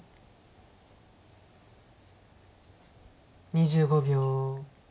２５秒。